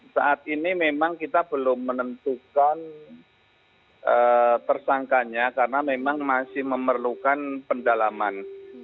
saat ini memang kita belum menentukan tersangkanya karena memang masih memerlukan pendalaman